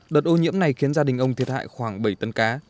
đợt ô nhiễm này khiến gia đình ông thiệt hại khoảng bảy tấn cá